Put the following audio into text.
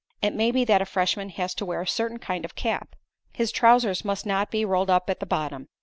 It may be that a freshman has to wear a certain kind of cap; his trousers must not be rolled up at the bottom.